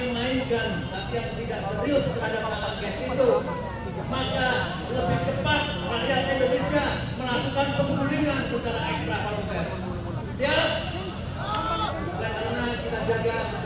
menyembuhkan dan melakukan hal hal anggih